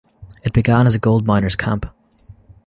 It began as a gold miners camp.